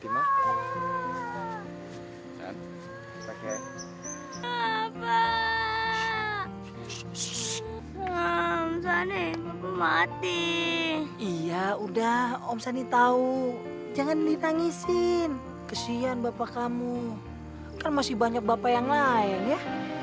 ya udah om sani tahu jangan ditangisin kesian bapak kamu kan masih banyak bapak yang lain ya